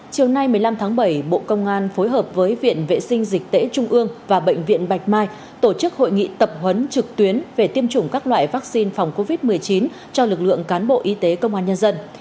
chiều nay một mươi năm tháng bảy bộ công an phối hợp với viện vệ sinh dịch tễ trung ương và bệnh viện bạch mai tổ chức hội nghị tập huấn trực tuyến về tiêm chủng các loại vaccine phòng covid một mươi chín cho lực lượng cán bộ y tế công an nhân dân